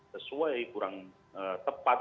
sesuai kurang tepat